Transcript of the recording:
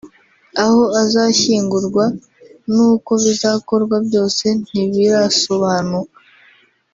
aho azashyingurwa n’uko bizakorwa byose ntibirasobanuka